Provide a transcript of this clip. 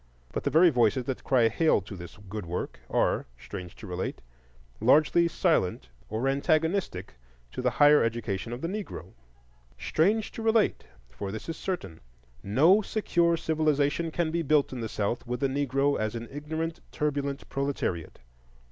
But the very voices that cry hail to this good work are, strange to relate, largely silent or antagonistic to the higher education of the Negro. Strange to relate! for this is certain, no secure civilization can be built in the South with the Negro as an ignorant, turbulent proletariat.